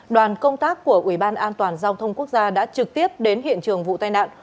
đoàn công tác của ủy ban an toàn giao thông quốc gia đã trực tiếp đến hiện trường vụ tai nạn